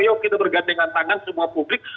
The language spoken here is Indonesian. yuk kita bergandengan tangan semua publik